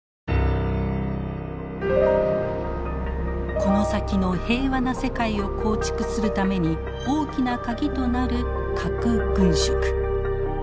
この先の平和な世界を構築するために大きな鍵となる核軍縮。